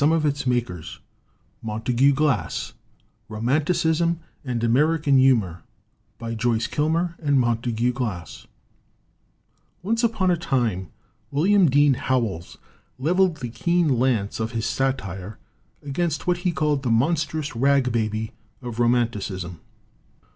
ROMANTICISM AND AMERICAN HUMOR MONTAGUE GLASS ROMANTICISM AND AMERICAN HUMOR MONTAGUE GLASS ONCE upon a time William Dean Howells leveled the keen lance of his satire against what he called "the monstrous rag baby of ro manticism."